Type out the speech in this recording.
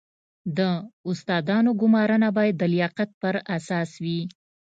د استادانو ګمارنه باید د لیاقت پر اساس وي